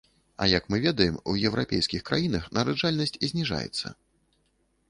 А як мы ведаем, у еўрапейскіх краінах нараджальнасць зніжаецца.